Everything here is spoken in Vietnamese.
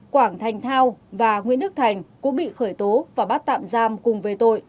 quảng thành thao và nguyễn đức thành cũng bị khởi tố và bắt tạm giam cùng về tội